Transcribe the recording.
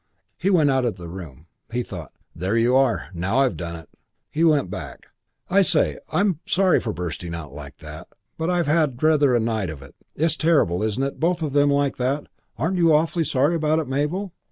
He went out of the room. He thought, "There you are! Now I've done it!" He went back. "I say, I'm sorry for bursting out like that; but I've had rather a night of it. It's terrible, isn't it, both of them like that? Aren't you awfully sorry about it, Mabel?"